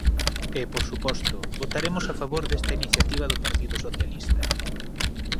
E, por suposto, votaremos a favor desta iniciativa do Partido Socialista.